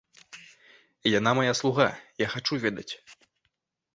Яна мая слуга, я хачу ведаць.